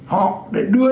họ để đưa